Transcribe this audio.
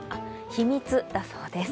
秘密だそうです。